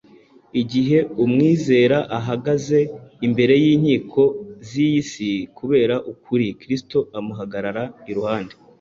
Igihe umwizera ahagaze imbere y’inkiko z’iyi si kubera ukuri, Kristo amuhagarara iruhande.